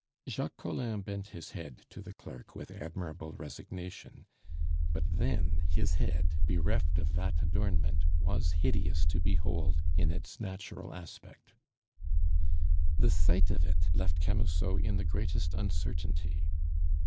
Jacques Collin bent his head to the clerk with admirable resignation; but then his head, bereft of that adornment, was hideous to behold in its natural aspect. The sight of it left Camusot in the greatest uncertainty.